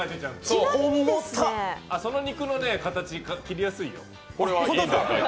あっ、その肉の形、切り分けやすいよ。